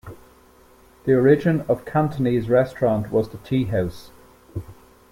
The origin of Cantonese restaurant was the tea-house.